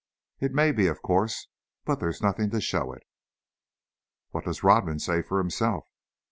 It may be, of course, but there's nothing to show it." "What does Rodman say for himself?"